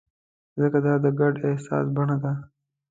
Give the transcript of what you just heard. ځکه دا د ګډ احساس بڼه ده.